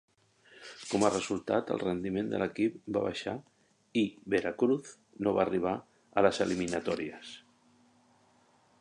Com a resultat, el rendiment de l'equip va baixar i Veracruz no va arribar a les eliminatòries.